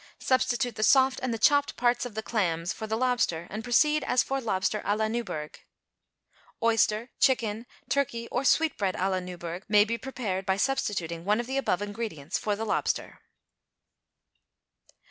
Substitute the soft and the chopped parts of the clams for the lobster and proceed as for lobster à la Newburgh. Oyster, chicken, turkey or sweetbread à la Newburgh may be prepared by substituting one of the above ingredients for the lobster.